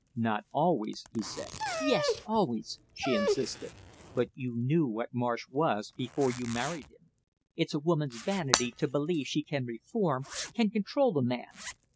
"Not always," he said. "Yes, always!" she insisted. "But you knew what Marsh was before you married him." "It's a woman's vanity to believe she can reform, can control a man."